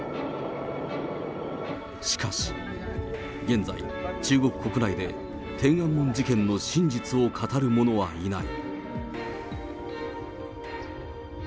しかし、現在、中国国内で天安門事件の真実を語る者はいない。